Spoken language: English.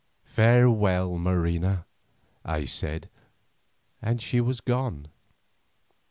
"Farewell, Marina," I said, and she was gone.